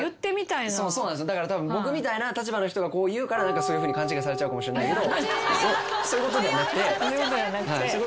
たぶん僕みたいな立場の人がこう言うからそういうふうに勘違いされちゃうかもしれないけどそういうことではなくてそういうことではなくて。